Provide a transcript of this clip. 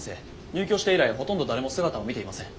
入居して以来ほとんど誰も姿を見ていません。